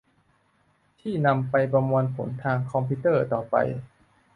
ที่นำไปประมวลผลทางคอมพิวเตอร์ต่อได้